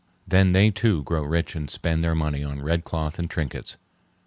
Then they too grow rich and spend their money on red cloth and trinkets.